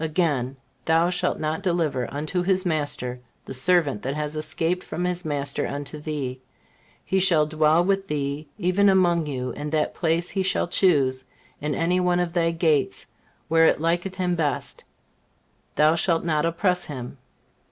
Again: "Thou shalt not deliver unto his master the servant that has escaped from his master unto thee; he shall dwell with thee, even among you, in that place he shall choose in one of thy gates where it liketh him best; thou shalt not oppress him."